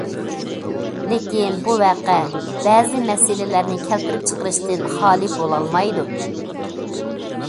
لېكىن بۇ ۋەقە بەزى مەسىلىلەرنى كەلتۈرۈپ چىقىرىشتىن خالىي بولالمايدۇ.